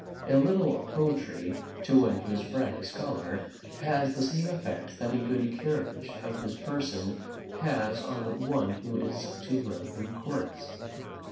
A little poetry, to one who is bred a scholar, has the same effect that a good carriage of his person has on one who is to live in courts.